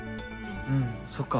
うんそっか